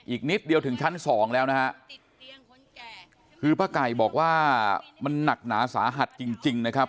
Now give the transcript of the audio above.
อีกนิดเดียวถึงชั้นสองแล้วนะฮะคือป้าไก่บอกว่ามันหนักหนาสาหัสจริงจริงนะครับ